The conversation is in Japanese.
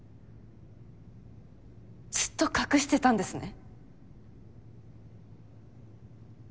ずっと隠してたんですね。